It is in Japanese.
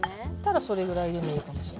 それぐらいでもいいかもしれない。